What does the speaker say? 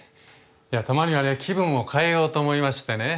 いやたまにはね気分を変えようと思いましてね。